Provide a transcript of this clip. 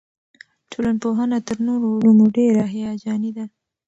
ټولنپوهنه تر نورو علومو ډېره هیجاني ده.